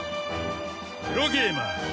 プロゲーマー。